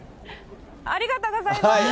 ありがとうございます！